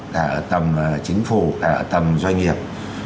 cả ở tầm chính phủ cả ở tầm doanh nghiệp